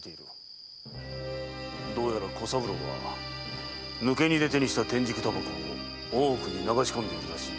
どうやら小三郎は抜け荷で手にした天竺煙草を大奥に流し込んでいるらしい。